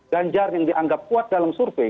ganjar yang dianggap kuat dalam survei